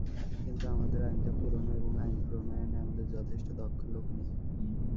কিন্তু আমাদের আইনটা পুরোনো এবং আইন প্রণয়নে আমাদের যথেষ্ট দক্ষ লোক নেই।